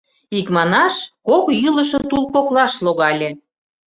Икманаш, кок йӱлышӧ тул коклаш логале.